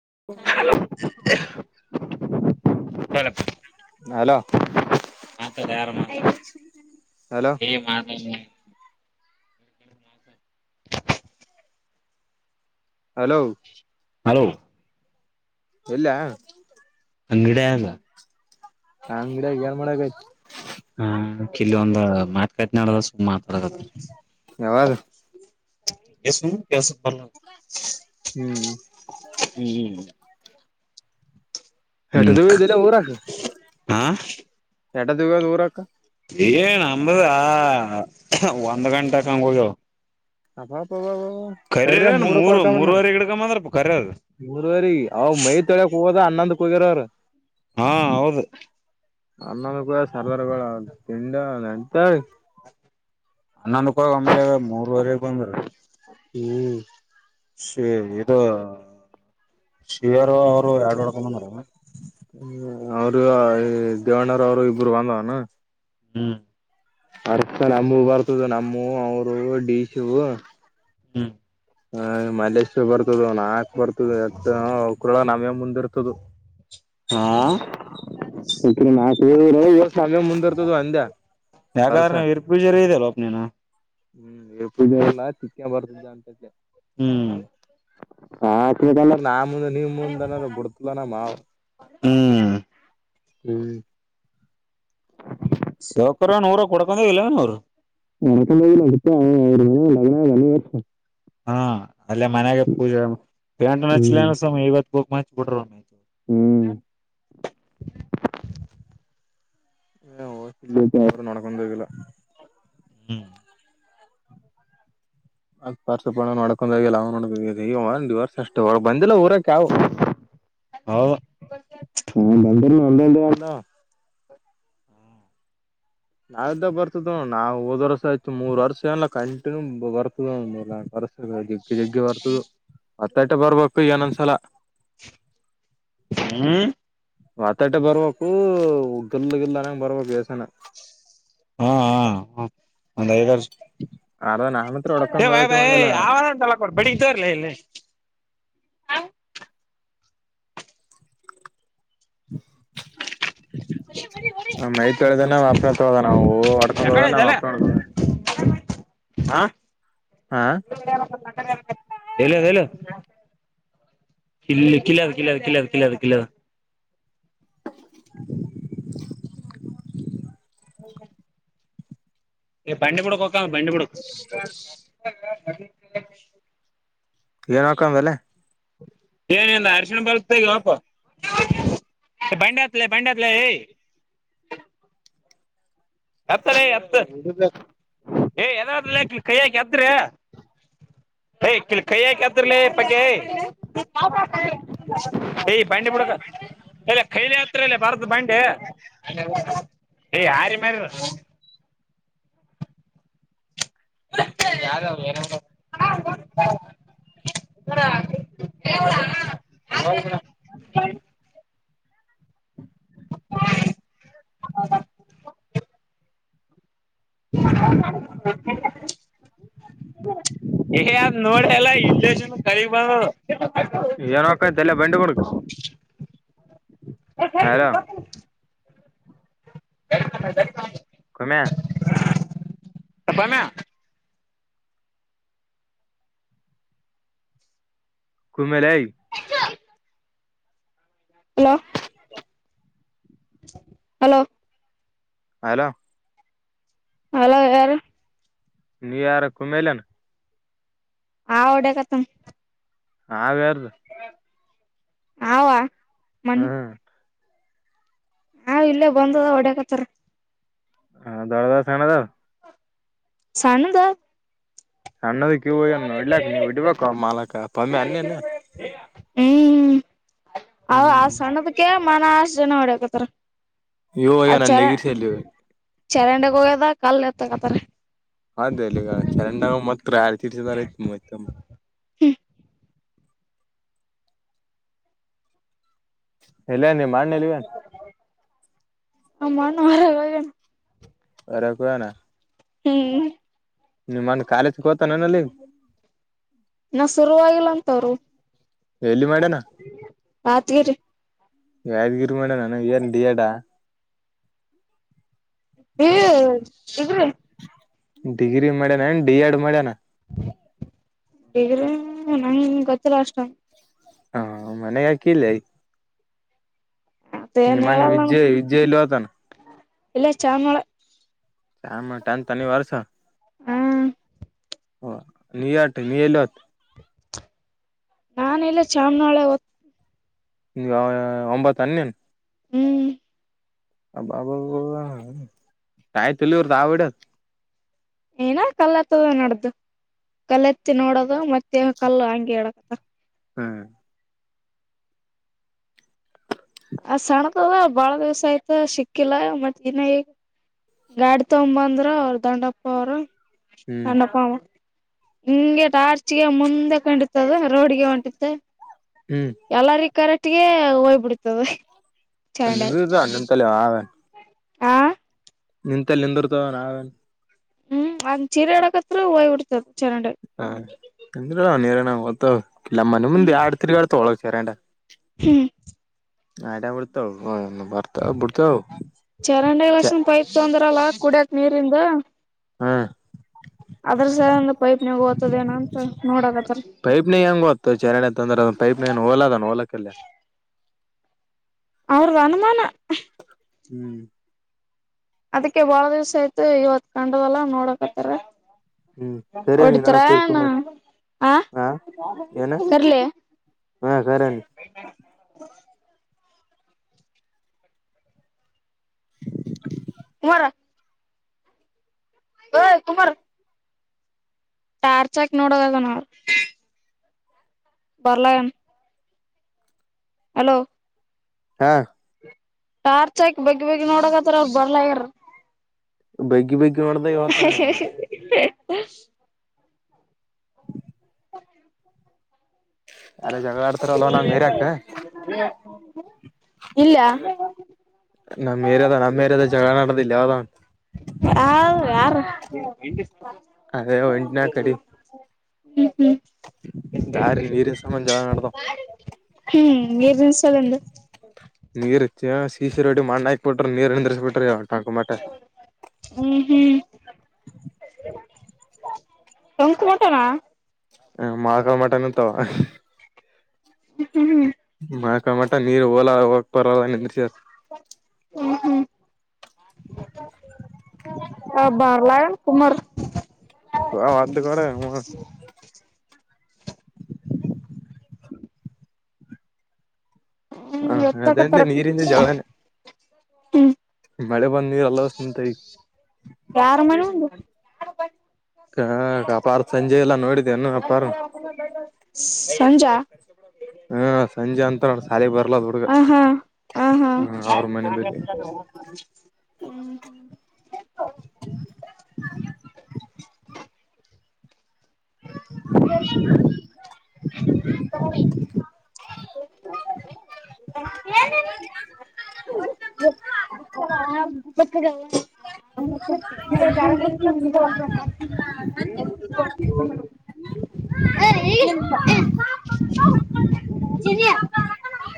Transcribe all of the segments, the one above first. hello hello ಯಾರ ಮಾ hello ಹೇ ಮಾತಾಡು [unintelligible] ಹಲೋ ಹಲೋ ಇಲ್ಲ ಅಂಗರ ಅಂಗಡ್ಯಾಗ್ ಏನ್ ಮಾಡಾಕತ್ತಿ ಹಾ ಕಿಲ್ಲಿ ಒಂದ ಮಾತ ಕಾತ್ನಾಡದ ಸುಮ ಮಾತಾಡತಿ ಯಾವದು ಎ ಕೆಸ ಬ ಹ್ಮ್ ಹ್ಮ್ ಹೆೇಟ ಹ್ಮ್ ತಿದಲ್ಲ ಊರಾಕ ಹಾ ಎಡ ದಗ ದೂರಕ್ಕ ಏನ್ ಅಂಬದ ಒಂದ್ ಗಂಟ ಕಂಗ ಹೋುದುವು ಅಬ ಪ ಕರ್ರ ಮೂರ್ ಮೂರು ಕೊಡ್ಕ ಬಂದಾರ ಮೂರವರೆ ಗಿಡಕಂಬ ಅಂದ್ರ ಕರ್ಯದ ಮೂರವರಿ ಅವ ಮೈ ತೊಳಕ್ ಹ ಅನ್ನಾಂದು ಪೋಗರರು ಹಾ ಹೌದು ಅನ್ನಂದ ಕೂಡ ಸರ್ದಾರ್ಗಳ ತಿಂಡ ನೆಂತ ಹನ್ನೊಂದಕ್ ಹೋಗಿ ಆಮೇಲೆ ಮೂರವರೆಗ್ ಬಂದ್ರ ಹ್ಮ್ ಶ ಇದು ಶೀರ ಅವರು ಆಡುಕೊಂಡ ಅ ್ಮ ಅವರು ದೇವಣ್ಣರ ಅವರು ಇಬ್ಬರು ಬಂದವನ ಹ್ಮ್ ಅರ್ಸ ನಮ್ಮೂ ಬರ್ತದ ನಮ್ಮೂ ಅವರು ಡಶ ಹ್ಮ್ ಹ ಮಲೇಶ್ ಬರ್ತದ ನಾಕಕ್ ಬರ್ತದೆ ಎತ್ತ ಅವಕ್ರೊಳ ನಮ್ಯ ಮುಂದಿ ಇರ್ತದ ಹಾ ನೀೆ ಮುಂದ ಇರ್ತದ ಅಂದ ವರ್ಸ ಯಾಕಂದ್ರೆ ನೀ ಇರ್ಪೂಜರಿ ಇದೆಲ್ಲೋಪ ನೀನು ಹ್ಮ್ ಎಪ್ಪ ಇದಲ್ಲ ಚಿಕ್ಕ ಬರ್ತಿದ್ದ ಅಂತಕ್ಕೆ ಹ್ಮ್ ಹಾ ತ ನಾ ಮುಂದೆ ನಿಮ್ ಮುಂದನದು ಬಿಡ್ತಲ ನ ಮಾವು್ ಹ್ಮ್ ಹ್ಮ್ ಸಾವಕರ ನೂರ ಕೊಡ್ಕೊಂಡ ಇಲ್ಲ ನೂರು ವಣಕ ಬದಲ ಅವ ಮ ಲಗ್ನನ ಹಾ ಅಲ್ಲೇ ಮನ್ಯಾಗ ಪೂಜೆ ಪಂಟು ನಚ್ಲ ಸ್ ಐವತ್ ಬಕ್ ಹಚ್ ಬಿಡ್ರರುಮ್ಮ ಹ್ಮ್ ಏ ಹೋಗ ಅವ್ರರು ನೋಡ್ಕೊಂಡೋಗಿಲ್ಲ ಹ್ಮ್ ಅದ್ ಪಾರ್ಸಪ ನಡ್ಕೊಂಡಲ್ಲ ಅವ ನೋಡಬೇಕ ಒಂದ ವರ್ಷ ಅಷ್ಟ ಹೊ ಬಂದಿಲ್ಲ ಊರಕ ಯಾವವು ಹಾ ಹೌದು ಬಧನು ಆ ನಾವ್ದ ಬರ್ತದ ನಾವ್ ಹೋದ್ ವರ್ಸ ಆಯತು ಮೂರ್ ವರ್ಷ ಎಲ್ಲ ಕಂಟಿನ್ಯೂ ಬರ್ತದ ಮೂ ವರಸ ಜಿಗ್ಗೆ ಜಿಗ್ಗೆ ಬರ್ತದು ಮತ್ತಟ ಬರ್ಬೇಕು ಏನೊಂದ್ಸಲ ಹ್ಮ್ ಮಾತಾಟೆ ಬರ್ಬೇಕು ಉಗ್ಗಲ್ ಗಲ್ಲನಂಗ ಬರ್ಬೇಕು ವೇಸಾನ ಹಾ ಹ ಒಂದಐದರ್ಷ ಅರ್ದ ನಾನ್ ಹತ್ರ ಹ ಹೊಡ್ಕೊಂಡ್ ಭಾಯ ಹೋದಕ್ಕೆ ಭಾಯ ಬಂದಿಲ್ಲ ಆವ ತಲ್ಲ ಕೊಡ ಬಡಿಗ ತರ್ಲ್ಲ ಇಲ್ಲ ಹ [inaudible] ಮೈತ್ ತೊಳದ ನ್ ಅಪ್ನ ಹೋದ ನಾವು ಅಡ್ಕೊಂಡ್ ಹೋದ ಯಕಡೆ ನಾ್ ಇದಲ್ಲ ಅಪ್ನಡ್ಕೊಂಡ ಹಾ ಹಾ ಹೇಳಲ್ಲಲ್ಲ ಕಲ ಕಲವು ಕಲವ ಕಲವ ಕಲವ [unintelligible] ಹೌೆ [unintelligible] ಈ ಬಂಡಿ ಪುಡಕ ಹಕ್ಕ ಬಂಡಿ ಪುಡಕ ಏನಕಲೆ ಏನಂದ ಅರ್ಶಿಣ ಬರ್ತ್ತಪ್ಪ ಭೈಂಡತ್ಲ ಭೈಂಡತ್ಲ ಹತ್ತಲ ಎತ್ತ ಏ ಯದಾ ಕೈ ಹಾಕಿ ಹತ್ತ್ರಿ ಯ ಕ ಕೈ ಆಾಕತ್ರರ್ಲ ಪಗೆಯ ಯ ಬಂಡಿ ಮುಡಕ ಇಲ್ಲ ಕೈಲಿ ಹತ್ರಲ್ಲ ಬರ್ದ ಬಂಡೆ ಏ ಯಾರಿ ಮಾರ ಹ್ಮ ಯಾರ ಹೌ ಹ್ಮ ಹ ಹ ಹ್ಮ ಏ ಅದ್ ನೋಡಲ್ಲ ಇಲ್ಲನು ಕರಿಗ್ ಬಂದ ಇಲ್ಲ ಬಂಡು ಕುಳಕ್ ಹಲೋ ಕಮ್ಮೆ ಬಾನ ಕಮಲೆೈ ಹಲೋ ಹಲೋ ಹಲೋ ಹಲೋ ಯಾರು ನೀನ್ಯಾರಕ್ ಕುಮಲನ್ ಆ ಒಡ ಕಥ ಹಾ ಬಾರದು ಹವಾ ಮನ್ ಹ್ಮ್ ಹಾ ಇಲ್ಲೇ ಬಂದದ ಹೊಡಕತ್ತಾರ ಹ ದರ ದರ ಸ್ಣದ ಸಾನುದ ಅಣ್ಣದಕ್ಕೆ ಇೋಗ ನೋ ಇಡ್ಲಕ್ ನೀವ್ ಇಡ್ಬೇಕು ಮಾಲಕಪ್ಪಮ್ಮೆ ಅನ್ನೇನ್ ಹ್ಮ್್ಮ ಅವ ಆ ಸಣ್ಣದಕ್ಕೆ ಮನ ಆಷ್ಟು ಜನ ಹೊಡ್ಯಕತ್ತರ ಯೋ ನ್ ಅನ್ೇಕ ಶಲ್ಯ ಚರಂಡೆಗೆ ಹೋಗ್ಯದ ಕಲ್ ಎತ್ತಕತಾರೆ ಅ ಅಲ್ಲಿಗ ಚರಂಡಾಗ ಮತ್ರ ಯಾರ ತಿರ್ಸಿದಾರಯತ್ಯ್ತಮ್ಮ [unintelligible] ಹ್ಮ ಎಲ್ಲ ನೀ ಮಾಡಲ್ಲಿವೇನ್ [unintelligible] ನ [unintelligible] ಅರ ಕುವಣ ಹ್ಮ್ ನೀ ಮನ್ ಕಾಲೇಜಗೆ ಹೋತ ನನಲ್ಲಿ ನ ಶುರುರುವಾಗಿಲ್ಲ ಅಂತವ್ರು ಎಲ್ಲಿ ಮಾಡನಾ ರಾತ್ಗಿರಿ ಯಾದಗಿರಿ ಮಾಡೇಣ ನಾನ ನ್ಂತಿಯಡಾ ಹ್ಮ್ ಇದ್ರಿ ಡಿಗ್ರಿ ಮಾಡ್ಯನಏ ಡಿ ಎಡ್ ಮಾಡ್ಯನ ಗ್ರ ನಂ ಗೊತ್ತ ರಷ್ಟ್ರ ಹಾ ಮನೆಗೆ ಹಾಕಿಲ್ಲ ಮತ್ತ ಏನ್ ನಿಮ್ಮಣ್ಣ ಹೇಳಲ್ಲ ವಿಜ್ಜು ವಿಜಯಲ್ಲತ ಇಲ್ಲ ಚಾಮಳ ಶಾಮ ತಟಾನ ತನಿವಾರ ಸ [unintelligible] ಹ್ಮ್ ಹ ನೀ ಯತ ನೀ ಎಲತ್ತು [unintelligible] ನಾನ ಇಲ್ಲ ಚಾಮನಾಳೆ ಹದ ಒಂಬತ್ತು ಅನ್ನನ್ [unintelligible] ಹ್ಮ್ ಅ ಬಬ ಕಯತಲ್ಲಿ ಅವದು ಆವಡ [unintelligible] ಏನ ಕಲ್ಲತ್ತದ ನಡ್ದು ಕಲ್ಲತ್ತಿ ನೋಡೋದು ಮತ್ತೆ ಕಲ್ಲು ಹಂಗಗೆ ಆಡ [unintelligible] ಹ್ಮ್ ಆ ಸಣ್ಣದದ ಬಾಳ ದಿವ್ಸ ಆಯ್ತ ಸಿಕ್ಕಿಲ್ಲ ಮತ್ ಇನ್ನೇಗ ಗಾಡಿ ತೊಗ ಬಂದ್ರ ಅವರು ದಂಡಪ್ಪ ಅವರು ಹ್ಮ್ ಅಣ್ಣಪ ಹಿಂಗೆ ಟಾರ್ಚ್ಗೆ ಮುಂದೆ ಕಂಡಿತ್ತದು ರೋಡ್ಗೆ ಹೊಂಟಿ ಮತ್ತ ಹ್ಮ್ ಎಲ್ಲಾರ ಕರೆಟ್ಗೆ ಹಯ್ಬಿಡ್ತದೆ ಅನ್ನದ ಅಣ್ಣಂದ ತಲೆ ಆ ಅವನ್ [unintelligible] ಆ ನಿಂತ ನಿಂದಿರುತ ನಾವೇನ್ ಹ್ಮ್ ಒಂದ್ ಚೀರ ಆಡಕತ್ರ ಹೋಯ್ಬಡ್ತದ [unintelligible] ಹಾ ಎಂದ್ರ ನೀೇರನ ತ [unintelligible] ಇಲ್ಲಮ್ಮನ ಮುಂದ ಆಡು ತಿ ಅಡ ತೋಳ ಚೇರಂಡ ಹ್ಮ್ ಆಡಬಳತ [unintelligible] ಚರಂಡಿ ಛೆ ಲಕ್ಷಣ ಪೈಪ್ ತೊಂದ್ರಲ್ಲ ಕುಡಿಯತ್ ನೀರಿಂದ ಹ್ಮ ಅದ್ರಸ ಒಂದು ಪೈಪ್ನ ಓ್ತದ ಏನ ಅಂತ ನೋಡಕತ್ತರಿ ಪೈಪ್ ನನ್ ಓಲ ಅದ ಹೋಲಕಲ್ಲ ಅವ್ರ ಅನಮಾನ ಹ್ಮ್ ಅದಕ್ಕೆ ಬಾಳ ದಿವ್ಸ ಆಯ್ತು ಇವತ್ ಕಂಡದಲ್ಲ ನೋಡಕ ಹತ್ತಾರ ಹ್ಮ್ ಕರೇನಿ ನಡ ಹೊಡ್ತರ ನಾ ಕರ್ಕೊಂಡ ಹ ಹಾ ಏನ ಬರ್ಲಿ [inaudible] ಹಾ ಸರಿಿ [unintelligible] [inaudible] ಸಿ [unintelligible] ಹ [unintelligible] ಏ ತುಮಾರ [inaudible] ಟಾರ್ಚ್ ಹಾಕ್ ನೋಡದದ ನ ಅವರು [inaudible] ಬರ್ಲ [unintelligible] ಹಲೋ ಹಾ ಟಾರ್ಚ್ ಹಾಕಿ ಬಿಗಿ ಬಗ್ಗಿ ನೋಡಕತ್ತತ್ರ ಅವರು ಬರ್ಲಗಾರ ಬಗ್ಗಿ ಬಗ್ಗಿ ನೋಡ್ದ ಇವತ್ತ [inaudible] ಯಾರ ಜಗಳ ಆಡ್ತಾರಲ್ವ ನಮ್ ಏರಿಯಾಕ [inaudible] ಇಲ್ಲ ನಮ್ಮ್ ಮೇರದ ನಮ್ಮ್ೇರ ಅದ ಜಗಳ ನಡದಿಲ್ಲ ಯಾವದ [unintelligible] ಹ ಯಾರ ಅದೇ [inaudible] ಹ್ಮ ಹ್ಮ್ ರ್ನ್ ಸಲಂದು [inaudible] ನೀರುಚ್ಚ ಶೀಸರುೋಡಿ ಮಣ್ಣ [unintelligible] ಪಟ ನೀರ ದಶಪಿಟ ಯಾವಟಾಂಕ ಮಾಡ ಹ್ಮ್ [unintelligible] ತಂಕ ಮಟನಾ [inaudible] ಹ ಮಾಕಾ ಮಟನ್ ಅಂತಾವ ಹ್ಮ್ ಹ್ಮ್ ಮಾಕಮಟ ನೀರು ಓಲ ಹೋಗಕ್ಕೆ ಪರ್ ನಿಂದ ಸಾರ್ ಹ್ಮ ಹ್ಮ್ ಆ ಬಾರ್ಲ ಕುಮರ್ [inaudible] [inaudible] ಹ್ಮ [inaudible] ಹಾ ಅದೆಂದ ನೀರಿಂದ ಜವಾನ ಹ್ಮ ಮಳೆ ಬಂದ ನೀರಲ್ಲಸ್ಂತ ಈ ಯಾರ ಮನೆ ಉಂದು ಹ ಅಪಾರ ಸಂಜೆ ಎಲ್ಲಾ ನೋಡಿದ ಏನು ಅಪಾರ ಸಂಜಾ ಹ್ಮ ಸಂಜೆ ಅಂತ ಶಾಲೆಗೆಗ್ ಬರ್ಲದ ಹ ಹಾ ಹ ಹಾ ಮನೆ ಬಲಿ ಹ್ಮ [inaudible] [inaudible] [inaudible] [inaudible] [inaudible]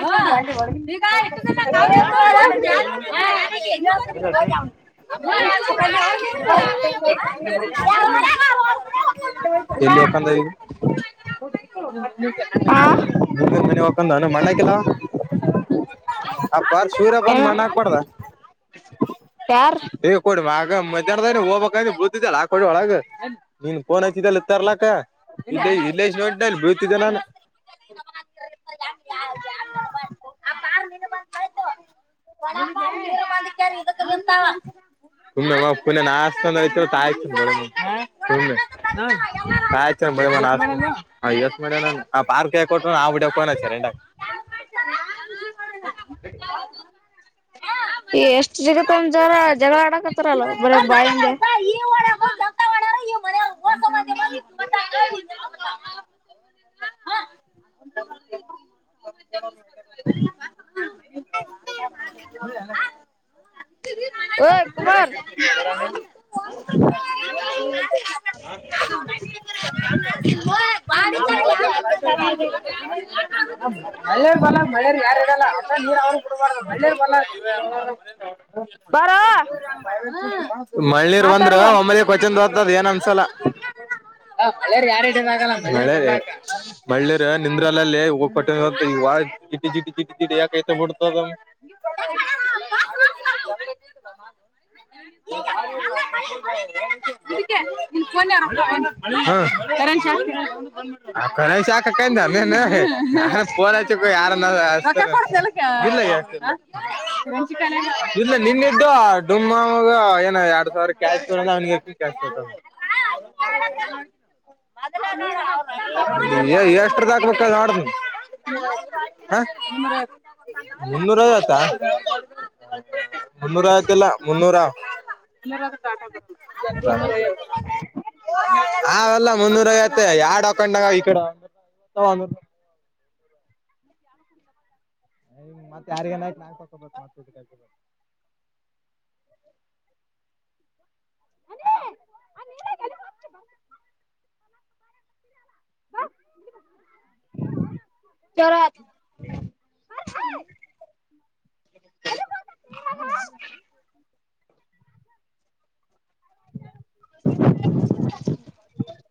[inaudible] [inaudible] ಎಲ್ಲಿ ಒಪಂದ ಹಾಗಿದೆ ಹ್ಮ [inaudible] ಹಾ ಮನೆ ಒಕ್ಕಂದ ಮಡಕಿಲಾ [inaudible] ಯಾರ ಹೇ ಕೊಡ ಆಗ ಮಧ್ಯಾಹ್ನದ ಹೋಗಬಬೇಕ ಬುದಿದ್ದಲ್ಲ ಕೊೊಳಗ ನಿನ್ಫೋನ್ ಹಚ್ಚಿದೆಲ್ಲ ತರ್ಲ ಇ ಇಲ್ಲ ನೋಡಿದ್ದೆ ಅ ಬೀಳ್ತಿದ್ದೆ ನಾನು [inaudible] [unintelligible] ಬ [unintelligible] ಯಸ್ ಮಾಡ ಆ ಪಾರ್ಕ್ ಕೊಟ್ಟ್ರ ನಾ ಬಿಡನ್ಟ [unintelligible] ಈ ಎಷ್ಟ ಜಗತ್ತಂದ ಜವರ ಜಗಳ ಮಾಡಡಕತ್ತರಲ್ ಬಾರಿ ಬಾಯಂದೆ ಹ [inaudible] ಹ [inaudible] ಜೆಜ್ಜಿ ಹೊಯ್ ಮಳೆಯರ್ ಬಲ ಮಳೇರ್ ಯಾರ ಇಲ್ಲ [unintelligible] ನೀ ಅವರಿಗೆ ಬಿಡಬಾರದು ಕೊಡಲಿಕ್ಕೆ ಹೊಲಾ ಬಾರೋ ಮಳ ನೀರ್ ಬಂದ್ರ ಮಾತಾಡುವ ಒಮ್ಮಲಿ ಕೊಚನೋದತದ್ ಏನ್ ಅನ್ಸಲ್ಲ [inaudible] ಮಳ್ಳರ್ ನಿಂದ್ರಾಲಲ್ಲಿ ಹೋಗಟ್ಟ ಚಿಟಿ ಚಿಟಿ ಚಿಟಿ ಚಿಟಿ ಯ ಕತ ಬಡ್ತದ [inaudible] [inaudible] [inaudible] [unintelligible] [unintelligible] ಇಲ್ಲ ನಿನ್ನಿದು ಡಮ ಏನ ಯ [unintelligible] ಕ್ಯಾಶೋ ಕ್ಯಾಶೋತ [unintelligible] ಹೇ ಗಾಡಿ ತಗಿ ಅದನ್ನ ಮಾಡ ಅವರ ಅಪ್ಪನ ಎ ಎಷ್ಟದ ಕೊಕ್ಕೋಬಾರ್ದು [unintelligible] ದೈವಾಜ್ ಹಾ ಮೋನ್ನರಾ ಐವತ್ತು ಮುನ್ನುರಾ ಐವತ್ತಾ ಮುನ್ನೂರ ಆಯತಿಲ್ಲ ಮುನ್ನೂರ ಮುನ್ನೂರು ಹಾಕೋ [inaudible] ಅವಲ್ಲ ಮುನ್ನೂರ ಐವತ್ತು ಯಾಡ ಹಾಕೊಂಡಾಗ ಈ ಕಡೆ ಮತ್ತೆ ಯಾರ್ಗೆರ ನ ಸ ಮ [unintelligible] ಆ ಹೋ ಚೊಲೋ ಆತ್ ಹು ಹರ್ ಹೈ ಟಕ್ ಸ್ಮೆಲ್ [unintelligible]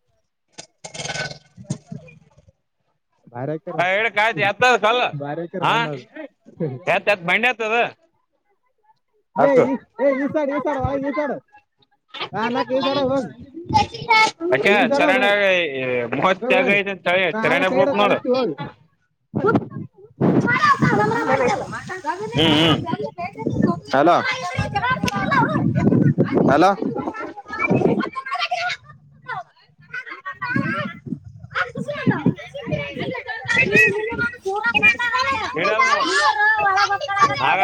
ತಾಯಿ ಪಲಾವ್ ನಾ ಹೇಳಕಾತಿ ಎತ್ತದ ಕಲ್ಲ ಬಾರಿ ಹಾಕ್ಯಾರ ಹ ಮಣ್ಣದು ಎತ್ ಎತ್ ಬಂಡ್ಣ ಎತ್ತದ ಏ ಈ ಸ ಇಸಾಡ್ ಒಳಗ ಇಸಡು ಅಕೆ ಈ ಸೈಡ್ ಹೋಗಿ ಚರಣ ಹೋಗಿ ಮೂವತ್ತ್ಯಾಗ ಹೋಗಿ ದೆಂತಳ [unintelligible] ಯೇ ಕರೇನ ಬೊಟ್ ನೋಡ ಹುಟ್ ಹುಕ್ ನಿ ಬಂದಿಲ್ಲಾ ಹು ಹು ಹಲೋಇಬ್ಬರ ಇದ್ರಿಲ್ಲ ಜಗಳಾದತಿಡ್ರಿಲ್ಲ ಅವರು ಕ್ಲಿಕ್ ಹಲೋ ಕ ಅಪ್ಪಾ ಬರಯ ಅಷ್ಟು ಖುಷಿ ಅಲ್ಲ ಅಲಬಾ ಇದ ಇಡಲ್ಲ ನೋಡ ಆಗಲ್ಲ